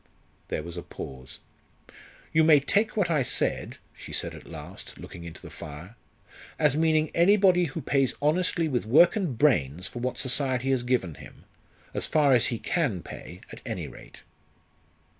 There was a pause. "You may take what I said," she said at last, looking into the fire, "as meaning anybody who pays honestly with work and brains for what society has given him as far as he can pay, at any rate."